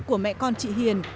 của mẹ con chị hiền